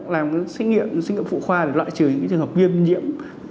làm sinh nghiệm phụ khoa để loại trừ những trường hợp viêm nhiễm